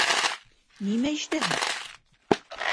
— Нимә ишетәһең?